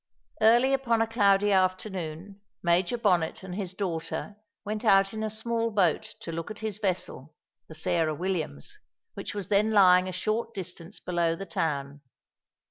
Early upon a cloudy afternoon, Major Bonnet and his daughter went out in a small boat to look at his vessel, the Sarah Williams, which was then lying a short distance below the town.